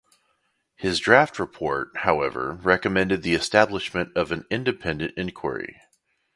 His draft report however recommended the establishment of an independent inquiry.